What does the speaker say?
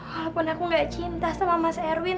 walaupun aku gak cinta sama mas erwin